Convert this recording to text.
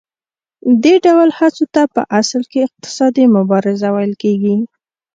دې ډول هڅو ته په اصل کې اقتصادي مبارزه ویل کېږي